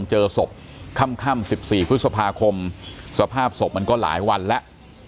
เจอศพค่ำ๑๔พฤษภาคมสภาพศพมันก็หลายวันแล้ว